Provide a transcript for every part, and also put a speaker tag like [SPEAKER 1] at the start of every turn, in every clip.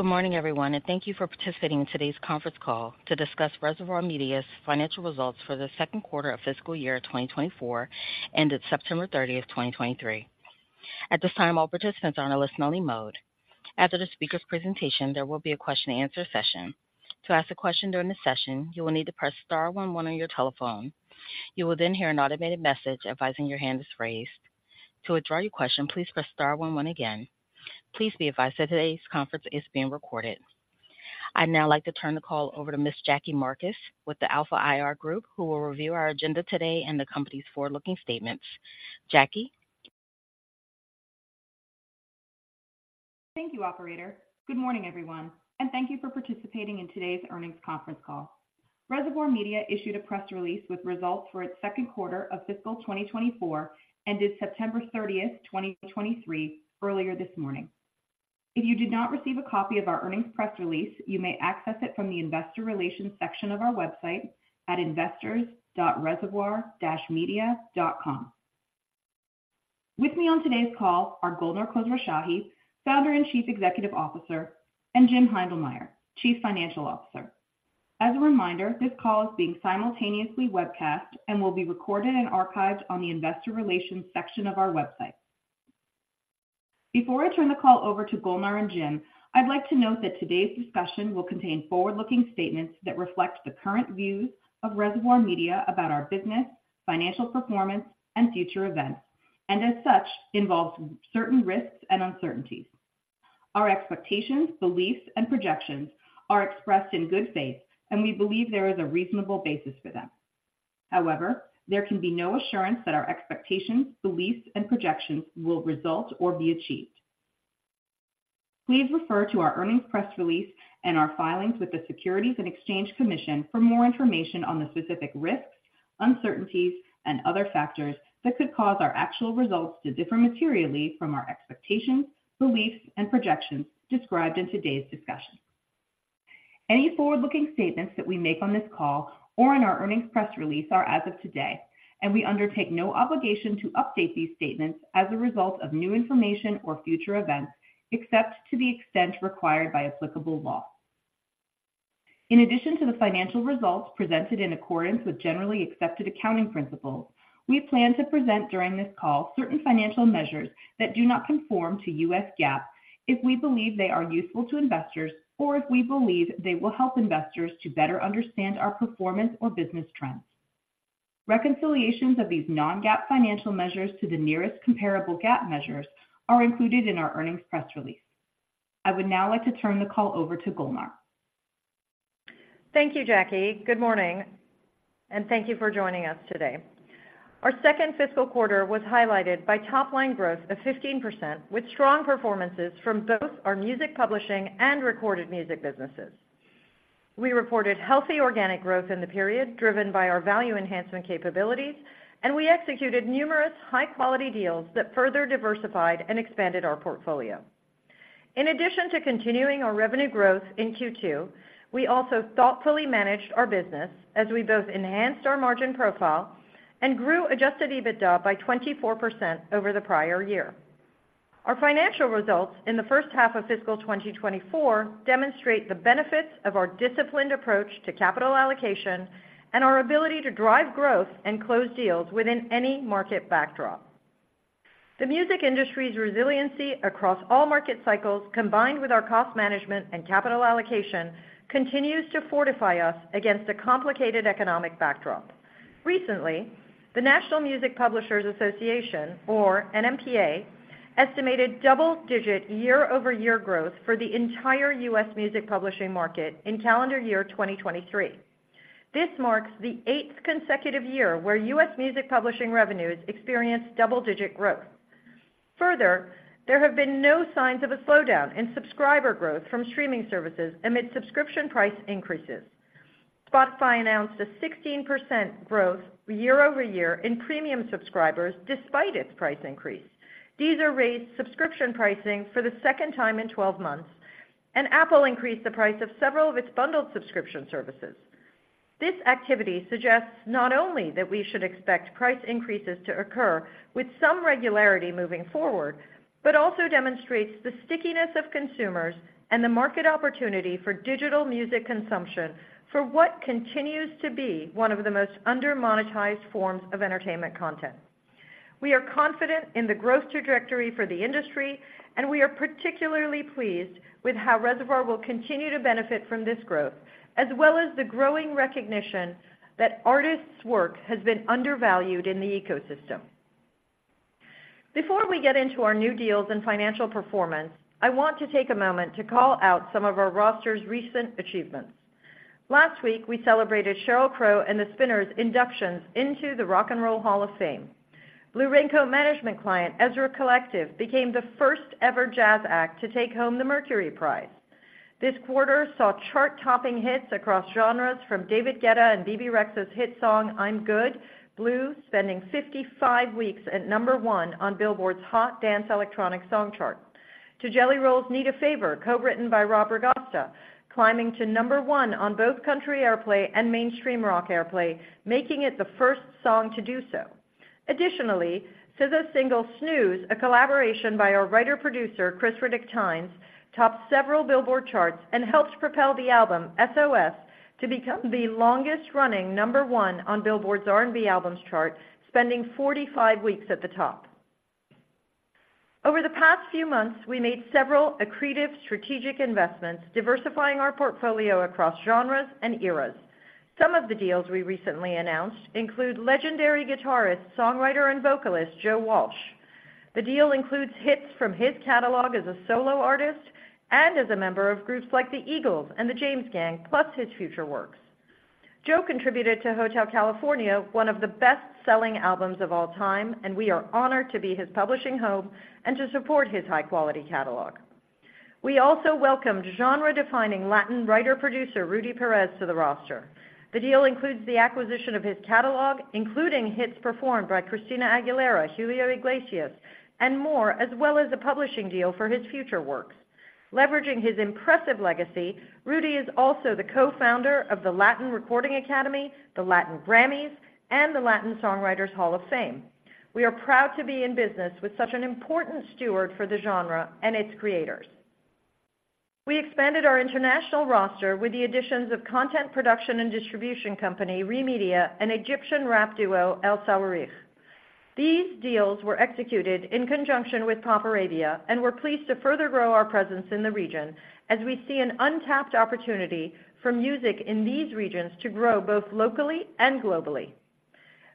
[SPEAKER 1] Good morning, everyone, and thank you for participating in today's conference call to discuss Reservoir Media's Financial Results for the Second Quarter of Fiscal Year 2024, ended September 30, 2023. At this time, all participants are on a listen-only mode. After the speakers' presentation, there will be a question-and-answer session. To ask a question during the session, you will need to press star one one on your telephone. You will then hear an automated message advising your hand is raised. To withdraw your question, please press star one one again. Please be advised that today's conference is being recorded. I'd now like to turn the call over to Ms. Jackie Marcus with the Alpha IR Group, who will review our agenda today and the company's forward-looking statements. Jackie?
[SPEAKER 2] Thank you, operator. Good morning, everyone, and thank you for participating in today's earnings conference call. Reservoir Media issued a press release with results for its second quarter of fiscal 2024, ended September 30, 2023, earlier this morning. If you did not receive a copy of our earnings press release, you may access it from the investor relations section of our website at investors.reservoir-media.com. With me on today's call are Golnar Khosrowshahi, Founder and Chief Executive Officer, and Jim Heindlmeyer, Chief Financial Officer. As a reminder, this call is being simultaneously webcast and will be recorded and archived on the investor relations section of our website. Before I turn the call over to Golnar and Jim, I'd like to note that today's discussion will contain forward-looking statements that reflect the current views of Reservoir Media about our business, financial performance, and future events, and as such, involves certain risks and uncertainties. Our expectations, beliefs, and projections are expressed in good faith, and we believe there is a reasonable basis for them. However, there can be no assurance that our expectations, beliefs, and projections will result or be achieved. Please refer to our earnings press release and our filings with the Securities and Exchange Commission for more information on the specific risks, uncertainties, and other factors that could cause our actual results to differ materially from our expectations, beliefs, and projections described in today's discussion. Any forward-looking statements that we make on this call or in our earnings press release are as of today, and we undertake no obligation to update these statements as a result of new information or future events, except to the extent required by applicable law. In addition to the financial results presented in accordance with generally accepted accounting principles, we plan to present during this call certain financial measures that do not conform to U.S. GAAP if we believe they are useful to investors or if we believe they will help investors to better understand our performance or business trends. Reconciliations of these non-GAAP financial measures to the nearest comparable GAAP measures are included in our earnings press release. I would now like to turn the call over to Golnar.
[SPEAKER 3] Thank you, Jackie. Good morning, and thank you for joining us today. Our second fiscal quarter was highlighted by top-line growth of 15%, with strong performances from both our music publishing and recorded music businesses. We reported healthy organic growth in the period, driven by our value enhancement capabilities, and we executed numerous high-quality deals that further diversified and expanded our portfolio. In addition to continuing our revenue growth in Q2, we also thoughtfully managed our business as we both enhanced our margin profile and grew adjusted EBITDA by 24% over the prior year. Our financial results in the first half of fiscal 2024 demonstrate the benefits of our disciplined approach to capital allocation and our ability to drive growth and close deals within any market backdrop. The music industry's resiliency across all market cycles, combined with our cost management and capital allocation, continues to fortify us against a complicated economic backdrop. Recently, the National Music Publishers' Association, or NMPA, estimated double-digit year-over-year growth for the entire U.S. music publishing market in calendar year 2023. This marks the eighth consecutive year where U.S. music publishing revenues experienced double-digit growth. Further, there have been no signs of a slowdown in subscriber growth from streaming services amid subscription price increases. Spotify announced a 16% growth year-over-year in premium subscribers despite its price increase. Deezer raised subscription pricing for the second time in 12 months, and Apple increased the price of several of its bundled subscription services. This activity suggests not only that we should expect price increases to occur with some regularity moving forward, but also demonstrates the stickiness of consumers and the market opportunity for digital music consumption for what continues to be one of the most under-monetized forms of entertainment content. We are confident in the growth trajectory for the industry, and we are particularly pleased with how Reservoir will continue to benefit from this growth, as well as the growing recognition that artists' work has been undervalued in the ecosystem. Before we get into our new deals and financial performance, I want to take a moment to call out some of our roster's recent achievements. Last week, we celebrated Sheryl Crow and The Spinners' inductions into the Rock and Roll Hall of Fame. Blue Raincoat Music client, Ezra Collective, became the first-ever jazz act to take home the Mercury Prize. This quarter saw chart-topping hits across genres from David Guetta and Bebe Rexha's hit song, I'm Good, spending 55 weeks at number one on Billboard's Hot Dance Electronic Song chart, to Jelly Roll's Need a Favor, co-written by Rob Ragosta, climbing to number one on both Country Airplay and Mainstream Rock Airplay, making it the first song to do so. Additionally, SZA's single, Snooze, a collaboration by our writer-producer, Khris Riddick-Tynes, topped several Billboard charts and helped propel the album, SOS, to become the longest-running number one on Billboard's R&B Albums chart, spending 45 weeks at the top. Over the past few months, we made several accretive strategic investments, diversifying our portfolio across genres and eras. Some of the deals we recently announced include legendary guitarist, songwriter, and vocalist, Joe Walsh. The deal includes hits from his catalog as a solo artist and as a member of groups like The Eagles and The James Gang, plus his future works. Joe contributed to Hotel California, one of the best-selling albums of all time, and we are honored to be his publishing home and to support his high-quality catalog. We also welcomed genre-defining Latin writer-producer, Rudy Perez, to the roster. The deal includes the acquisition of his catalog, including hits performed by Christina Aguilera, Julio Iglesias, and more, as well as a publishing deal for his future works. Leveraging his impressive legacy, Rudy is also the Co-Founder of the Latin Recording Academy, the Latin Grammys, and the Latin Songwriters Hall of Fame. We are proud to be in business with such an important steward for the genre and its creators. We expanded our international roster with the additions of content production and distribution company, RE Media, and Egyptian rap duo, El Sawareekh. These deals were executed in conjunction with PopArabia, and we're pleased to further grow our presence in the region as we see an untapped opportunity for music in these regions to grow both locally and globally.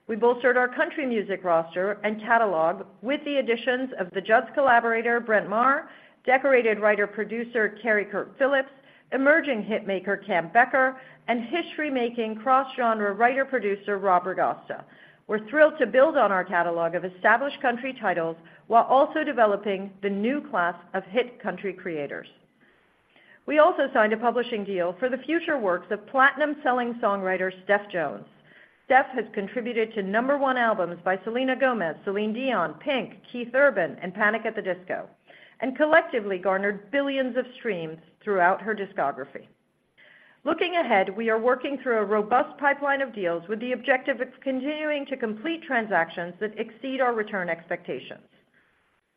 [SPEAKER 3] We bolstered our country music roster and catalog with the additions of The Judds collaborator, Brent Maher, decorated writer-producer, Kerry Kurt Phillips, emerging hitmaker, Cam Becker, and history-making cross-genre writer-producer, Rob Ragosta. We're thrilled to build on our catalog of established country titles while also developing the new class of hit country creators. We also signed a publishing deal for the future works of platinum-selling songwriter, Steph Jones. Steph has contributed to number one albums by Selena Gomez, Celine Dion, Pink, Keith Urban, and Panic! At the Disco, and collectively garnered billions of streams throughout her discography. Looking ahead, we are working through a robust pipeline of deals with the objective of continuing to complete transactions that exceed our return expectations.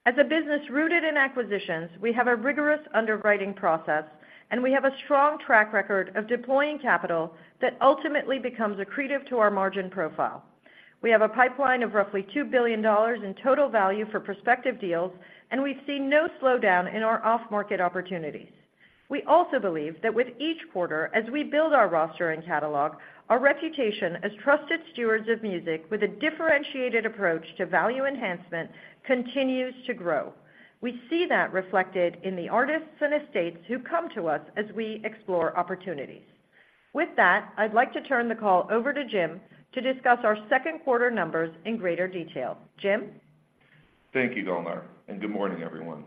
[SPEAKER 3] As a business rooted in acquisitions, we have a rigorous underwriting process, and we have a strong track record of deploying capital that ultimately becomes accretive to our margin profile. We have a pipeline of roughly $2 billion in total value for prospective deals, and we've seen no slowdown in our off-market opportunities. We also believe that with each quarter, as we build our roster and catalog, our reputation as trusted stewards of music with a differentiated approach to value enhancement continues to grow. We see that reflected in the artists and estates who come to us as we explore opportunities. With that, I'd like to turn the call over to Jim to discuss our second quarter numbers in greater detail. Jim?
[SPEAKER 4] Thank you, Golnar, and good morning, everyone.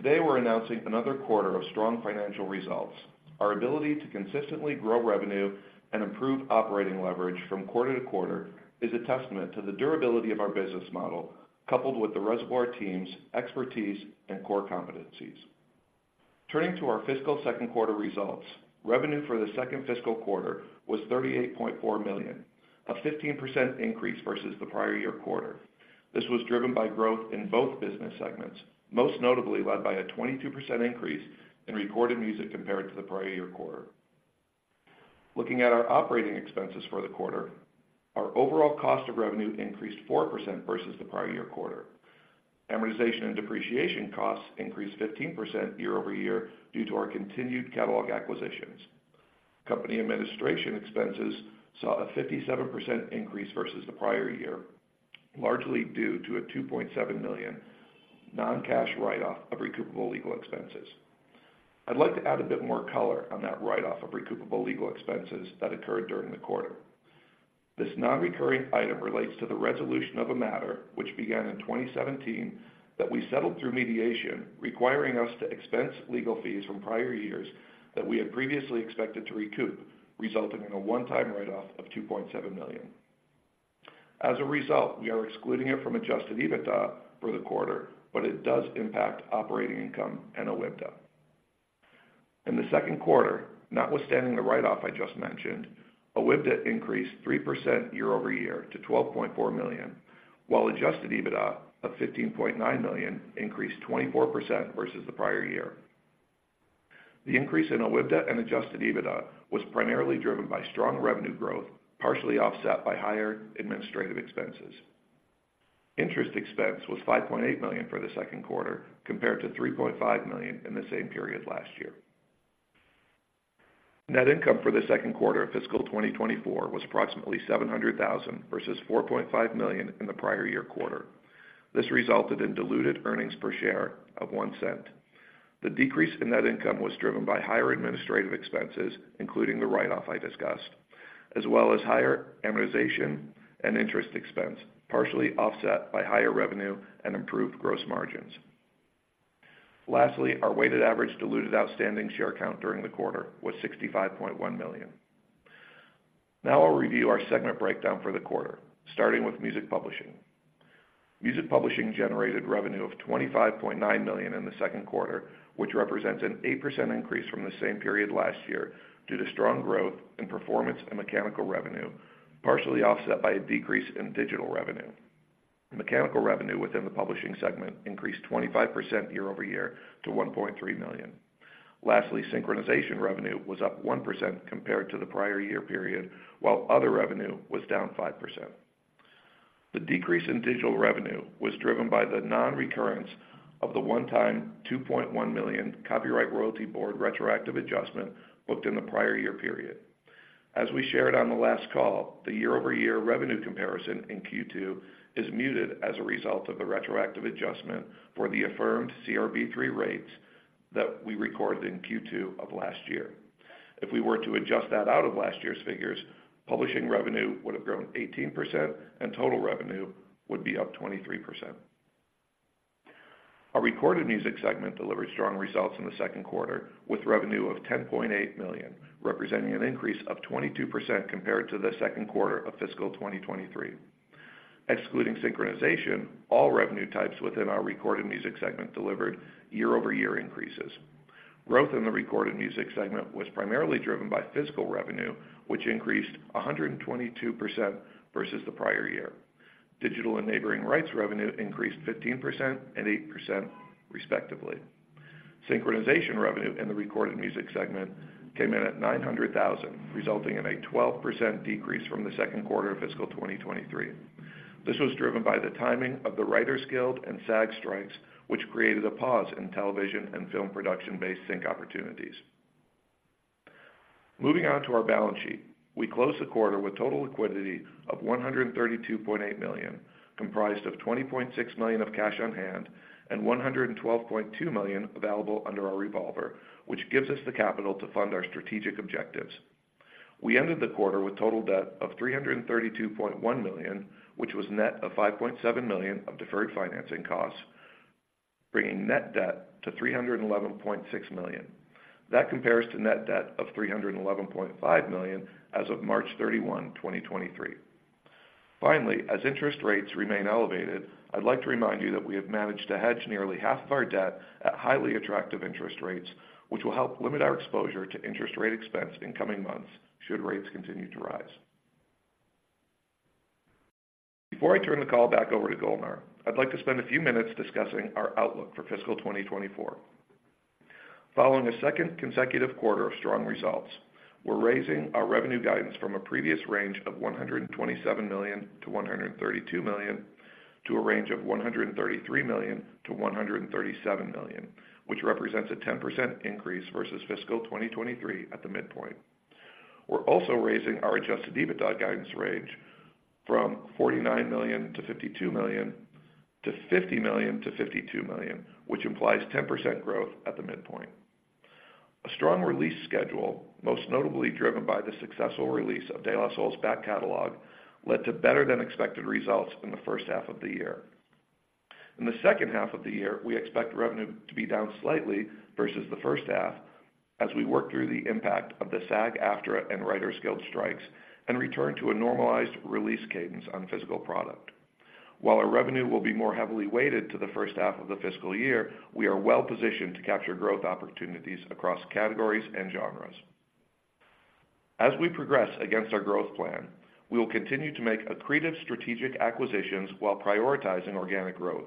[SPEAKER 4] Today, we're announcing another quarter of strong financial results. Our ability to consistently grow revenue and improve operating leverage from quarter to quarter is a testament to the durability of our business model, coupled with the Reservoir team's expertise and core competencies. Turning to our fiscal second quarter results, revenue for the second fiscal quarter was $38.4 million, a 15% increase versus the prior year quarter. This was driven by growth in both business segments, most notably led by a 22% increase in recorded music compared to the prior year quarter. Looking at our operating expenses for the quarter, our overall cost of revenue increased 4% versus the prior year quarter. Amortization and depreciation costs increased 15% year-over-year due to our continued catalog acquisitions. Company administration expenses saw a 57% increase versus the prior year, largely due to a $2.7 million non-cash write-off of recoupable legal expenses. I'd like to add a bit more color on that write-off of recoupable legal expenses that occurred during the quarter. This non-recurring item relates to the resolution of a matter which began in 2017, that we settled through mediation, requiring us to expense legal fees from prior years that we had previously expected to recoup, resulting in a one-time write-off of $2.7 million. As a result, we are excluding it from adjusted EBITDA for the quarter, but it does impact operating income and OIBDA. In the second quarter, notwithstanding the write-off I just mentioned, OIBDA increased 3% year-over-year to $12.4 million, while adjusted EBITDA of $15.9 million increased 24% versus the prior year. The increase in OIBDA and adjusted EBITDA was primarily driven by strong revenue growth, partially offset by higher administrative expenses. Interest expense was $5.8 million for the second quarter, compared to $3.5 million in the same period last year. Net income for the second quarter of fiscal 2024 was approximately $700,000 versus $4.5 million in the prior year quarter. This resulted in diluted earnings per share of $0.01. The decrease in net income was driven by higher administrative expenses, including the write-off I discussed, as well as higher amortization and interest expense, partially offset by higher revenue and improved gross margins. Lastly, our weighted average diluted outstanding share count during the quarter was 65.1 million. Now I'll review our segment breakdown for the quarter, starting with music publishing. Music publishing generated revenue of $25.9 million in the second quarter, which represents an 8% increase from the same period last year, due to strong growth in performance and mechanical revenue, partially offset by a decrease in digital revenue. Mechanical revenue within the publishing segment increased 25% year-over-year to $1.3 million. Lastly, synchronization revenue was up 1% compared to the prior year period, while other revenue was down 5%. The decrease in digital revenue was driven by the non-recurrence of the one-time $2.1 million Copyright Royalty Board retroactive adjustment booked in the prior year period. As we shared on the last call, the year-over-year revenue comparison in Q2 is muted as a result of the retroactive adjustment for the affirmed CRB III rates that we recorded in Q2 of last year. If we were to adjust that out of last year's figures, publishing revenue would have grown 18%, and total revenue would be up 23%. Our recorded music segment delivered strong results in the second quarter, with revenue of $10.8 million, representing an increase of 22% compared to the second quarter of fiscal 2023. Excluding synchronization, all revenue types within our recorded music segment delivered year-over-year increases. Growth in the recorded music segment was primarily driven by physical revenue, which increased 122% versus the prior year. Digital and neighboring rights revenue increased 15% and 8%, respectively. Synchronization revenue in the recorded music segment came in at $900,000, resulting in a 12% decrease from the second quarter of fiscal 2023. This was driven by the timing of the Writers Guild and SAG strikes, which created a pause in television and film production-based sync opportunities. Moving on to our balance sheet. We closed the quarter with total liquidity of $132.8 million, comprised of $20.6 million of cash on hand and $112.2 million available under our revolver, which gives us the capital to fund our strategic objectives. We ended the quarter with total debt of $332.1 million, which was net of $5.7 million of deferred financing costs, bringing net debt to $311.6 million. That compares to net debt of $311.5 million as of March 31, 2023. Finally, as interest rates remain elevated, I'd like to remind you that we have managed to hedge nearly half of our debt at highly attractive interest rates, which will help limit our exposure to interest rate expense in coming months should rates continue to rise. Before I turn the call back over to Golnar, I'd like to spend a few minutes discussing our outlook for fiscal 2024. Following a second consecutive quarter of strong results, we're raising our revenue guidance from a previous range of $127 million-$132 million, to a range of $133 million-$137 million, which represents a 10% increase versus fiscal 2023 at the midpoint. We're also raising our adjusted EBITDA guidance range from $49 million-$52 million to $50 million-$52 million, which implies 10% growth at the midpoint. A strong release schedule, most notably driven by the successful release of De La Soul's back catalog, led to better-than-expected results in the first half of the year. In the second half of the year, we expect revenue to be down slightly versus the first half, as we work through the impact of the SAG-AFTRA and Writers Guild strikes and return to a normalized release cadence on physical product. While our revenue will be more heavily weighted to the first half of the fiscal year, we are well positioned to capture growth opportunities across categories and genres. As we progress against our growth plan, we will continue to make accretive strategic acquisitions while prioritizing organic growth.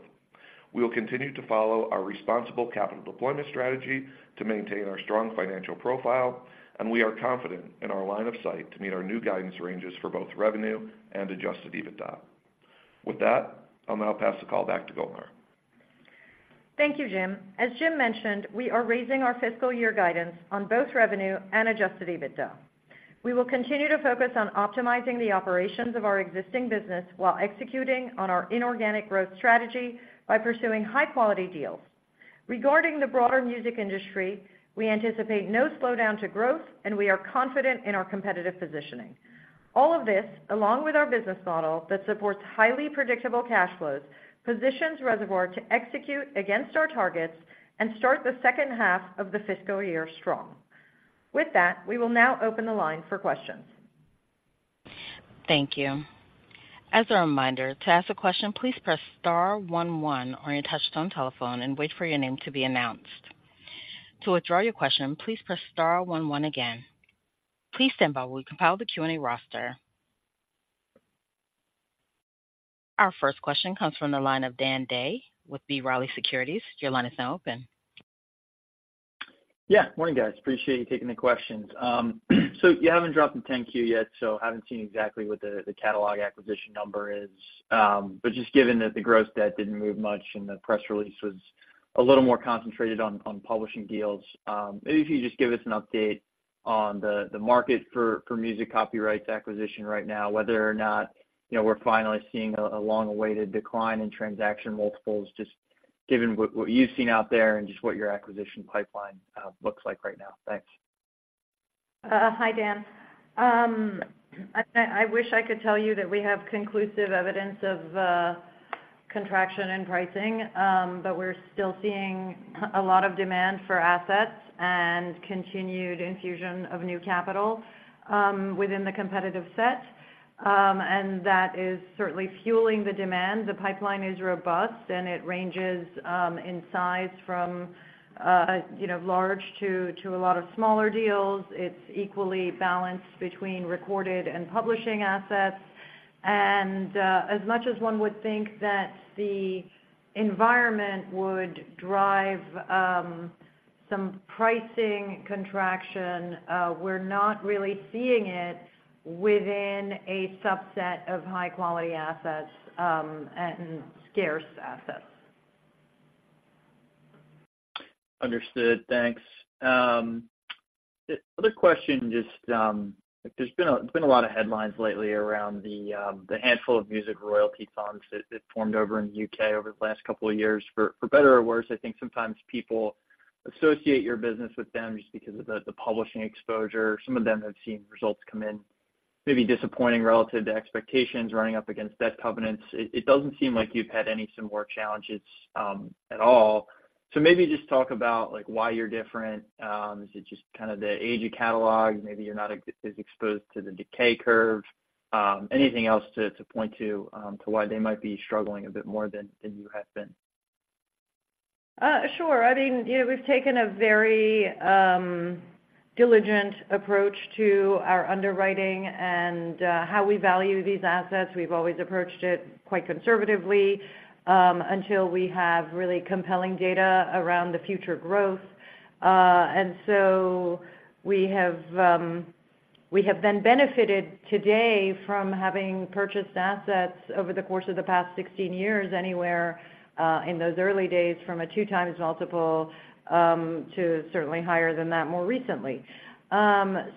[SPEAKER 4] We will continue to follow our responsible capital deployment strategy to maintain our strong financial profile, and we are confident in our line of sight to meet our new guidance ranges for both revenue and adjusted EBITDA. With that, I'll now pass the call back to Golnar.
[SPEAKER 3] Thank you, Jim. As Jim mentioned, we are raising our fiscal year guidance on both revenue and adjusted EBITDA. We will continue to focus on optimizing the operations of our existing business while executing on our inorganic growth strategy by pursuing high-quality deals. Regarding the broader music industry, we anticipate no slowdown to growth, and we are confident in our competitive positioning. All of this, along with our business model that supports highly predictable cash flows, positions Reservoir to execute against our targets and start the second half of the fiscal year strong. With that, we will now open the line for questions.
[SPEAKER 1] Thank you. As a reminder, to ask a question, please press star one one on your touchtone telephone and wait for your name to be announced. To withdraw your question, please press star one one again. Please stand by while we compile the Q&A roster. Our first question comes from the line of Dan Day with B. Riley Securities. Your line is now open.
[SPEAKER 5] Yeah, morning, guys. Appreciate you taking the questions. So you haven't dropped the 10-Q yet, so I haven't seen exactly what the, the catalog acquisition number is. But just given that the gross debt didn't move much and the press release was a little more concentrated on, on publishing deals, maybe if you could just give us an update on the, the market for, for music copyrights acquisition right now, whether or not, you know, we're finally seeing a, a long-awaited decline in transaction multiples, just given what, what you've seen out there and just what your acquisition pipeline looks like right now. Thanks.
[SPEAKER 3] Hi, Dan. I wish I could tell you that we have conclusive evidence of contraction in pricing, but we're still seeing a lot of demand for assets and continued infusion of new capital within the competitive set. And that is certainly fueling the demand. The pipeline is robust, and it ranges in size from you know large to a lot of smaller deals. It's equally balanced between recorded and publishing assets. And as much as one would think that the environment would drive some pricing contraction, we're not really seeing it within a subset of high-quality assets and scarce assets.
[SPEAKER 5] Understood. Thanks. The other question, just, there's been a lot of headlines lately around the handful of music royalty funds that formed over in the U.K. over the last couple of years. For better or worse, I think sometimes people associate your business with them just because of the publishing exposure. Some of them have seen results come in, maybe disappointing relative to expectations, running up against debt covenants. It doesn't seem like you've had any similar challenges at all. So maybe just talk about, like, why you're different. Is it just kind of the age of catalog? Maybe you're not as exposed to the decay curve. Anything else to point to, to why they might be struggling a bit more than you have been?
[SPEAKER 3] Sure. I mean, you know, we've taken a very diligent approach to our underwriting and how we value these assets. We've always approached it quite conservatively until we have really compelling data around the future growth. And so we have, we have then benefited today from having purchased assets over the course of the past 16 years, anywhere in those early days, from a 2x multiple to certainly higher than that more recently.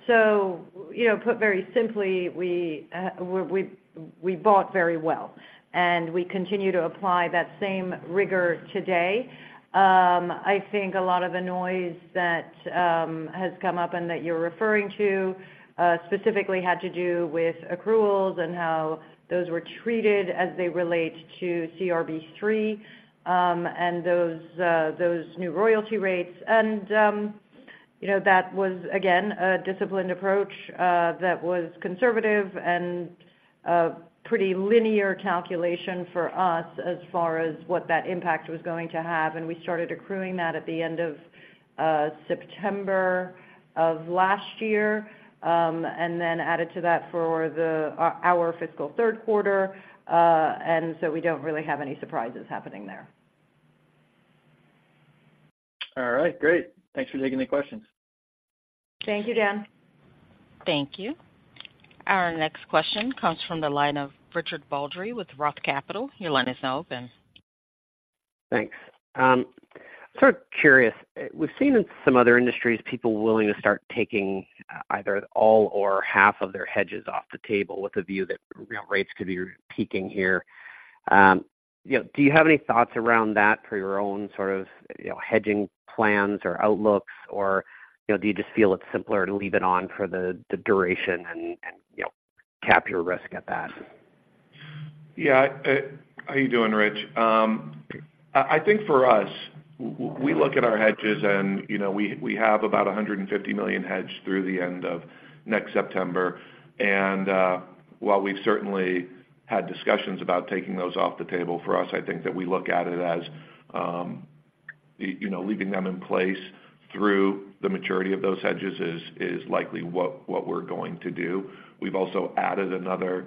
[SPEAKER 3] So you know, put very simply, we bought very well, and we continue to apply that same rigor today. I think a lot of the noise that has come up and that you're referring to specifically had to do with accruals and how those were treated as they relate to CRB III and those new royalty rates. You know, that was, again, a disciplined approach that was conservative and a pretty linear calculation for us as far as what that impact was going to have. We started accruing that at the end of September of last year, and then added to that for our fiscal third quarter. And so we don't really have any surprises happening there.
[SPEAKER 5] All right, great. Thanks for taking the questions.
[SPEAKER 3] Thank you, Dan.
[SPEAKER 1] Thank you. Our next question comes from the line of Richard Baldry with Roth Capital. Your line is now open.
[SPEAKER 6] Thanks. Sort of curious, we've seen in some other industries, people willing to start taking either all or half of their hedges off the table, with the view that real rates could be peaking here. You know, do you have any thoughts around that for your own sort of, you know, hedging plans or outlooks? Or, you know, do you just feel it's simpler to leave it on for the duration and cap your risk at that?
[SPEAKER 4] Yeah. How are you doing, Rich? I think for us, we look at our hedges and, you know, we have about $150 million hedged through the end of next September. And while we've certainly had discussions about taking those off the table, for us, I think that we look at it as, you know, leaving them in place through the maturity of those hedges is likely what we're going to do. We've also added another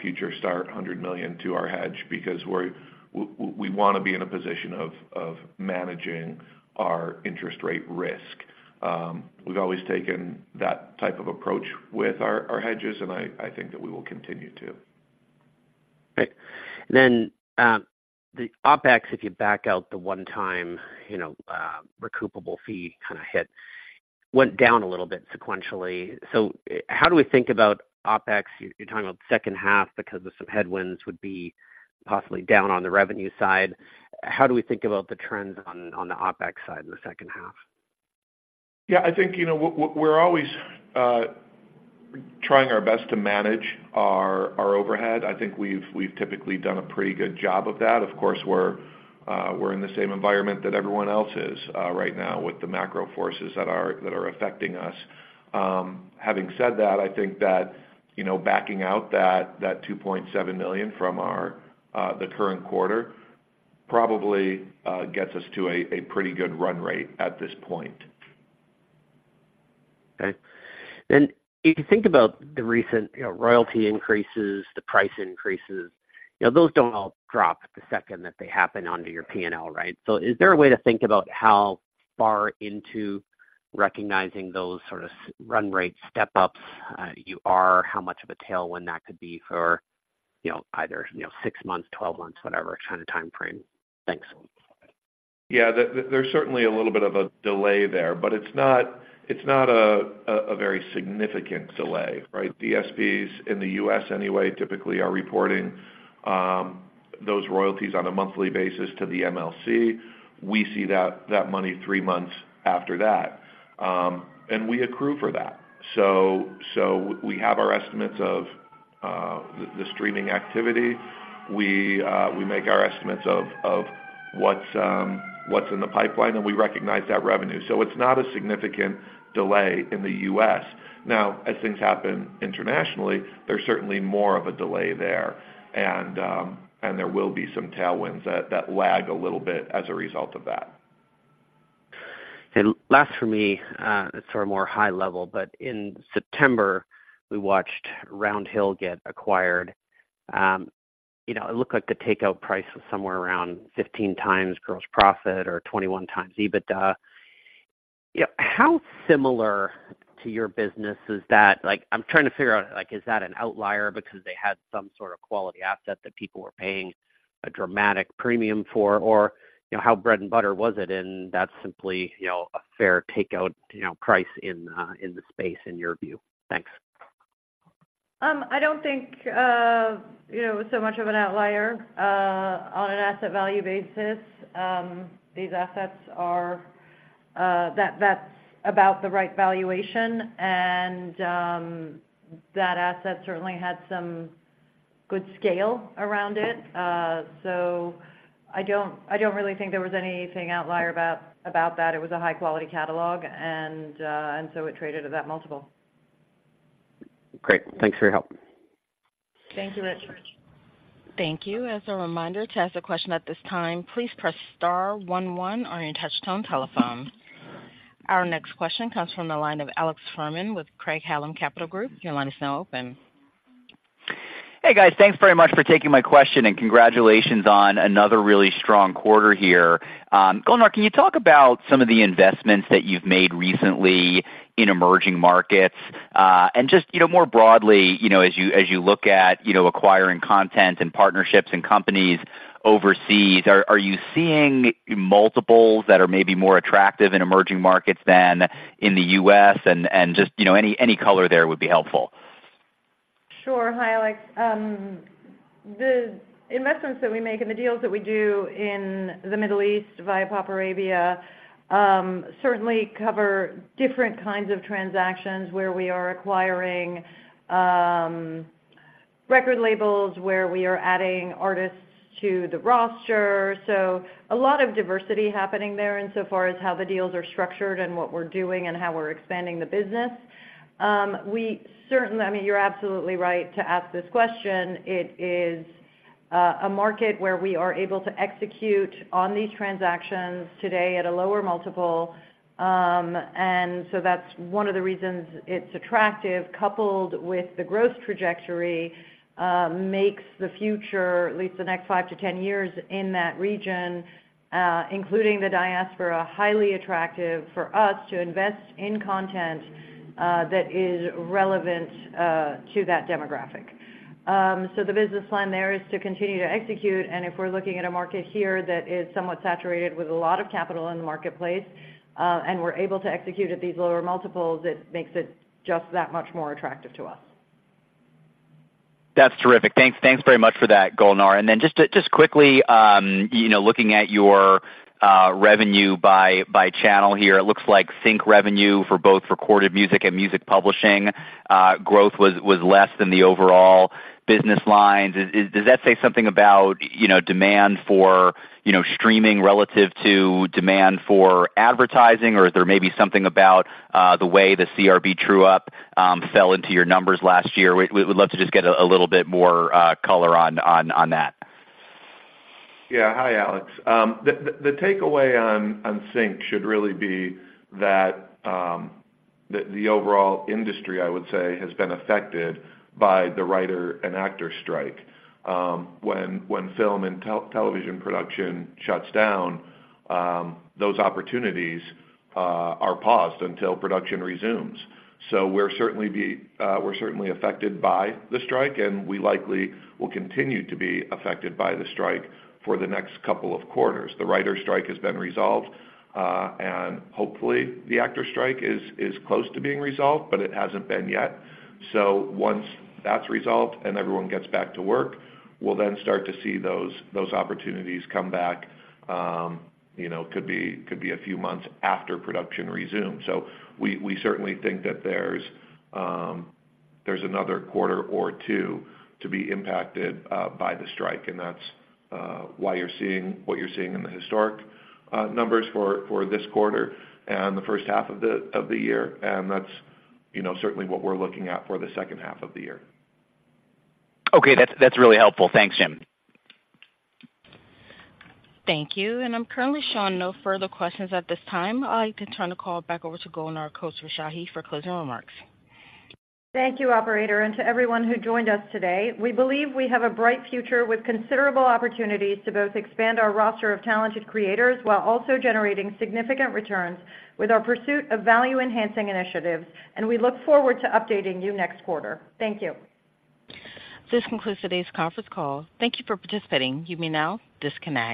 [SPEAKER 4] future start, $100 million to our hedge because we wanna be in a position of managing our interest rate risk. We've always taken that type of approach with our hedges, and I think that we will continue to.
[SPEAKER 6] Great. Then, the OpEx, if you back out the one-time, you know, recoupable fee, kind of hit, went down a little bit sequentially. So how do we think about OpEx? You're talking about the second half because of some headwinds, would be possibly down on the revenue side. How do we think about the trends on the OpEx side in the second half?
[SPEAKER 4] Yeah, I think, you know, we're always trying our best to manage our overhead. I think we've typically done a pretty good job of that. Of course, we're in the same environment that everyone else is right now, with the macro forces that are affecting us. Having said that, I think that, you know, backing out that $2.7 million from our the current quarter, probably gets us to a pretty good run rate at this point.
[SPEAKER 6] Okay. Then, if you think about the recent, you know, royalty increases, the price increases, you know, those don't all drop the second that they happen onto your P&L, right? So is there a way to think about how far into recognizing those sort of run rate step-ups, you are? How much of a tailwind that could be for, you know, either, you know, six months, 12 months, whatever kind of time frame? Thanks.
[SPEAKER 4] Yeah, there's certainly a little bit of a delay there, but it's not a very significant delay, right? The DSPs in the U.S. anyway typically are reporting those royalties on a monthly basis to the MLC. We see that money three months after that, and we accrue for that. So we have our estimates of the streaming activity. We make our estimates of what's in the pipeline, and we recognize that revenue. So it's not a significant delay in the U.S. Now, as things happen internationally, there's certainly more of a delay there, and there will be some tailwinds that lag a little bit as a result of that.
[SPEAKER 6] Last for me, sort of more high level, but in September, we watched Round Hill get acquired. You know, it looked like the takeout price was somewhere around 15x gross profit or 21x EBITDA. Yeah, how similar to your business is that? Like, I'm trying to figure out, like, is that an outlier because they had some sort of quality asset that people were paying a dramatic premium for? Or, you know, how bread and butter was it, and that's simply, you know, a fair takeout, you know, price in the space, in your view? Thanks.
[SPEAKER 3] I don't think, you know, so much of an outlier on an asset value basis. These assets are, that's about the right valuation, and that asset certainly had some good scale around it. So I don't really think there was anything outlier about that. It was a high-quality catalog, and so it traded at that multiple.
[SPEAKER 6] Great. Thanks for your help.
[SPEAKER 3] Thank you, Richard.
[SPEAKER 1] Thank you. As a reminder, to ask a question at this time, please press star one one on your touchtone telephone. Our next question comes from the line of Alex Furman with Craig-Hallum Capital Group. Your line is now open.
[SPEAKER 7] Hey, guys. Thanks very much for taking my question, and congratulations on another really strong quarter here. Golnar, can you talk about some of the investments that you've made recently in emerging markets? And just, you know, more broadly, you know, as you look at, you know, acquiring content and partnerships and companies overseas, are you seeing multiples that are maybe more attractive in emerging markets than in the U.S.? And just, you know, any color there would be helpful.
[SPEAKER 3] Sure. Hi, Alex. The investments that we make and the deals that we do in the Middle East via PopArabia certainly cover different kinds of transactions where we are acquiring record labels, where we are adding artists to the roster. So a lot of diversity happening there in so far as how the deals are structured and what we're doing and how we're expanding the business. We certainly. I mean, you're absolutely right to ask this question. It is a market where we are able to execute on these transactions today at a lower multiple. And so that's one of the reasons it's attractive, coupled with the growth trajectory, makes the future, at least the next 5-10 years in that region, including the diaspora, highly attractive for us to invest in content, that is relevant, to that demographic. So the business plan there is to continue to execute, and if we're looking at a market here that is somewhat saturated with a lot of capital in the marketplace, and we're able to execute at these lower multiples, it makes it just that much more attractive to us.
[SPEAKER 7] That's terrific. Thanks. Thanks very much for that, Golnar. And then just quickly, you know, looking at your revenue by channel here, it looks like sync revenue for both recorded music and music publishing growth was less than the overall business lines. Does that say something about, you know, demand for streaming relative to demand for advertising, or is there maybe something about the way the CRB true-up fell into your numbers last year? We would love to just get a little bit more color on that.
[SPEAKER 4] Yeah. Hi, Alex. The takeaway on sync should really be that the overall industry, I would say, has been affected by the writer and actor strike. When film and television production shuts down, those opportunities are paused until production resumes. So we're certainly affected by the strike, and we likely will continue to be affected by the strike for the next couple of quarters. The writer strike has been resolved, and hopefully, the actor strike is close to being resolved, but it hasn't been yet. So once that's resolved and everyone gets back to work, we'll then start to see those opportunities come back. You know, could be a few months after production resumes. We certainly think that there's another quarter or two to be impacted by the strike, and that's why you're seeing what you're seeing in the historical numbers for this quarter and the first half of the year. That's, you know, certainly what we're looking at for the second half of the year.
[SPEAKER 7] Okay. That's, that's really helpful. Thanks, Jim.
[SPEAKER 1] Thank you, and I'm currently showing no further questions at this time. I'll turn the call back over to Golnar Khosrowshahi for closing remarks.
[SPEAKER 3] Thank you, operator, and to everyone who joined us today. We believe we have a bright future with considerable opportunities to both expand our roster of talented creators while also generating significant returns with our pursuit of value-enhancing initiatives, and we look forward to updating you next quarter. Thank you.
[SPEAKER 1] This concludes today's conference call. Thank you for participating. You may now disconnect.